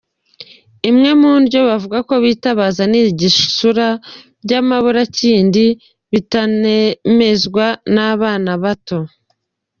Imwe mu ndyo bavuga bitabaza ni igisura by’amaburakindi bikanemezwa n’abana bato.